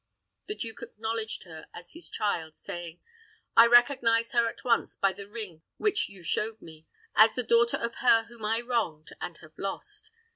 The duke acknowledged her as his child, saying, "I recognized her at once by the ring which you showed me, as the daughter of her whom I wronged and have lost.